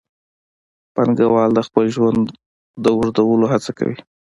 پانګوال د خپل ژوند د اوږدولو هڅه کوي